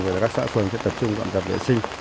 và các xã phường sẽ tập trung gọn tập vệ sinh